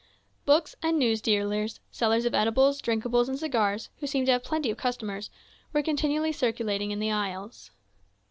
Book and news dealers, sellers of edibles, drinkables, and cigars, who seemed to have plenty of customers, were continually circulating in the aisles.